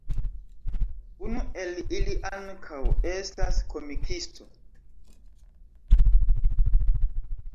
Unu el ili ankaŭ estas komikisto.